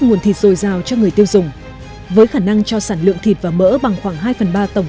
nguồn thịt dồi dào cho người tiêu dùng với khả năng cho sản lượng thịt và mỡ bằng khoảng hai phần ba tổng